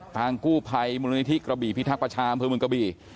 ทางกู้ภัยมูลนิธิกระบี่พิทักษ์ประชาอำเภอเมืองกระบี่